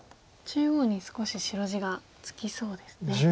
中央に少し白地がつきそうですね。